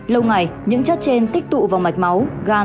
lâu ngày những chất trên tích tụ vào mạch máu gan